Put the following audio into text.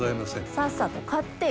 さっさと買ってよ。